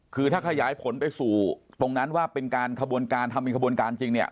คือถ้าขยายผลไปสู่ตรงนั้นว่าเป็นการขบวนการทำเป็นขบวนการจริงเนี่ย